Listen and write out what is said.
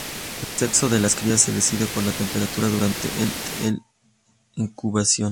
El sexo de las crías se decide por la temperatura durante el incubación.